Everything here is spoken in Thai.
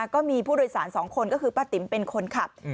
ก็มีผู้โดยสาร๒คนก็คือป้าติ๋มเป็นคนขับ